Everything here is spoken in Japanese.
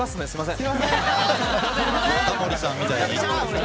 タモリさんみたいに。